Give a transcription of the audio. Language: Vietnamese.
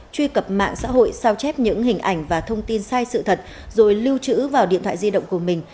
truy cập mạng xã hội sao chép những hình ảnh và thông tin sai sự thật rồi lưu trữ vào điện thoại di động của mình